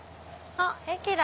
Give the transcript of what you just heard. あっ駅だ。